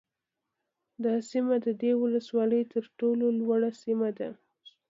دا سیمه د دې ولسوالۍ ترټولو لوړه سیمه ده